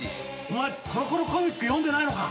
お前『コロコロコミック』読んでないのか。